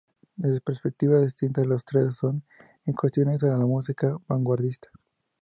Desde perspectivas distintas, los tres son incursiones en la música vanguardista.